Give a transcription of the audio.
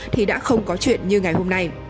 thì đã không có chuyện như ngày hôm nay